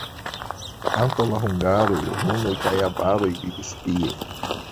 Antaŭ la hungaroj hunoj kaj avaroj vivis tie.